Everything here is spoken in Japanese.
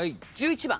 １１番。